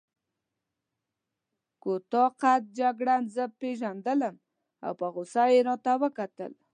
کوتاه قد جګړن زه وپېژندم او په غوسه يې راته وکتل.